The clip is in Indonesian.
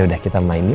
yaudah kita main yuk